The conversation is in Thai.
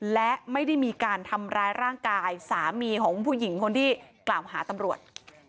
และไม่ได้มีการทำร้ายร่างกายสามีของผู้หญิงคนที่กล่าวหาตำรวจ